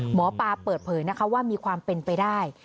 หมอปลาเปิดเผยนะคะว่ามีความเป็นไปได้